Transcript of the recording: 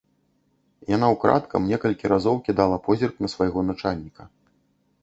Яна ўкрадкам некалькі разоў кідала позірк на свайго начальніка.